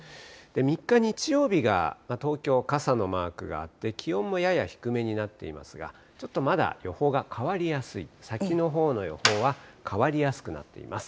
３日日曜日が東京、傘のマークがあって、気温もやや低めになっていますが、ちょっとまだ予報が変わりやすい、先のほうの予報は変わりやすくなっています。